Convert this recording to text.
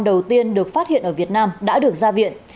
đầu tiên được phát hiện ở việt nam đã được ra viện